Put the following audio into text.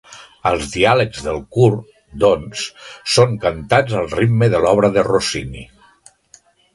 Els diàlegs del curt, doncs, són cantats al ritme de l'obra de Rossini.